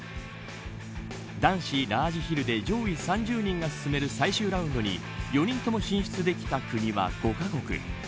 男子ラージヒルで上位３０人が進める最終ラウンドに４人とも進出できた国は５か国。